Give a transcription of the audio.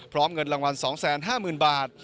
เงินรางวัล๒๕๐๐๐บาท